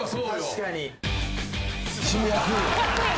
確かに。